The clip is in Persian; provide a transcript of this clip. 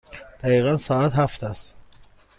دقیقاً ساعت هفت است.